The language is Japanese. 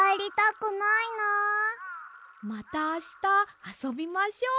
またあしたあそびましょう！